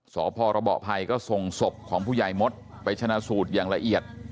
สพรบภัยก็ส่งศพของผู้ใหญ่มดไปชนะสูตรอย่างละเอียด